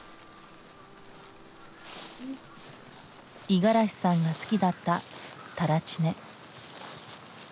五十嵐さんが好きだった垂乳根。